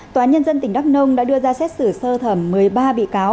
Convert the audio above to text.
tòa nhân dân tỉnh đắk nông đã đưa ra xét xử sơ thẩm một mươi ba bị cáo